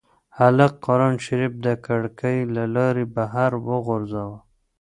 هلک قرانشریف د کړکۍ له لارې بهر وغورځاوه.